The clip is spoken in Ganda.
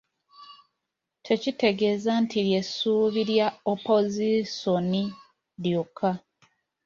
Tekitegeeza nti lye ssuubi lya Opozisoni lyokka.